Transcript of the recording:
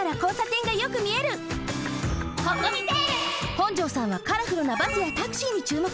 本城さんはカラフルなバスやタクシーに注目。